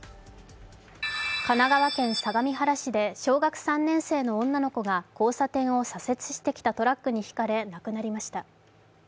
神奈川県相模原市で小学生３年生の女の子が交差点を左折してきたトラックにひかれ亡くなりました。